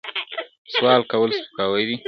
سوال کول سپکاوی دی.